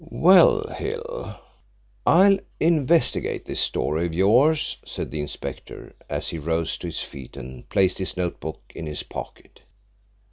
"Well, Hill, I'll investigate this story of yours," said the inspector, as he rose to his feet and placed his note book in his pocket.